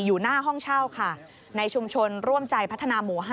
อยู่หน้าห้องเช่าค่ะในชุมชนร่วมใจพัฒนาหมู่๕